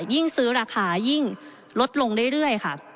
ยิ่งซื้อราคายิ่งลดลงเรื่อยค่ะ